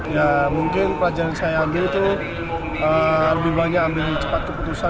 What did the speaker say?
ya mungkin pelajaran yang saya ambil itu lebih banyak ambil cepat keputusan